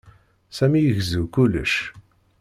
Sami igezzu kullec.